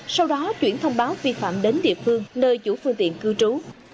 sau đó chuyển thông báo vi phạm đến địa phương nơi chủ phương tiện cư trú